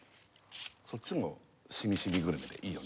そっちも染み染みグルメでいいよね